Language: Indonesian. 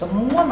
tufa pulang ya